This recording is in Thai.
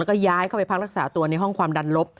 แล้วก็ย้ายเข้าไปพักรักษาตัวในห้องความดันลบ